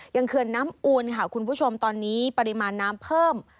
เขื่อนน้ำอูนค่ะคุณผู้ชมตอนนี้ปริมาณน้ำเพิ่ม